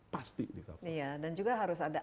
pasti dihapus iya dan juga harus ada